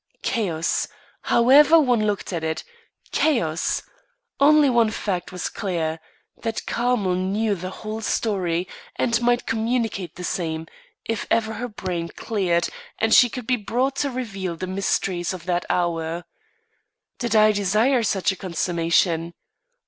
Chaos! However one looked at it, chaos! Only one fact was clear that Carmel knew the whole story and might communicate the same, if ever her brain cleared and she could be brought to reveal the mysteries of that hour. Did I desire such a consummation?